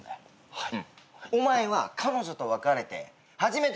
はい。